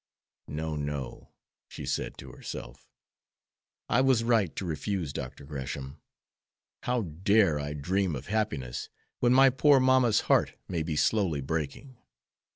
"No, no," she said to herself; "I was right to refuse Dr. Gresham. How dare I dream of happiness when my poor mamma's heart may be slowly breaking?